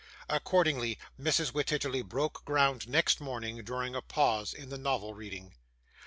Accordingly Mrs. Wititterly broke ground next morning, during a pause in the novel reading.